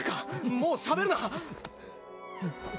もうしゃべるな。